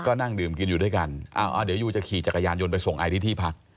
ก็นั่งดื่มกินอยู่ด้วยกันเดี๋ยวยูจะขี่จักรยานยนต์ไปส่งไอที่ที่พัก